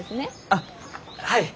あっはい。